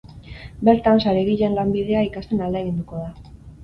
Bertan, saregileen lanbidea ikasten ahaleginduko da.